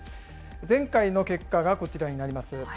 前回の結果がこちらになります。